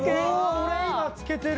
俺今漬けてる！